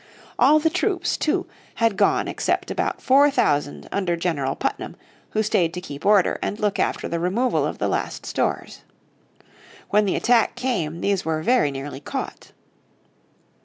All the troops, too, had gone except about four thousand under General Putnam, who stayed to keep order, and look after the removal of the last of the stores. When the attack came these were very nearly caught.